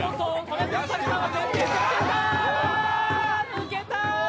抜けた！